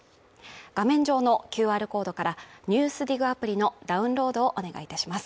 画面上のＱＲコードから「ＮＥＷＳＤＩＧ」アプリのダウンロードをお願いいたします